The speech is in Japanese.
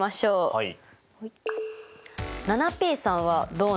はい。